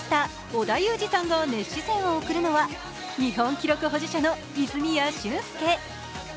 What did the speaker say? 織田裕二が熱視線を送るのは日本記録保持者の泉谷駿介。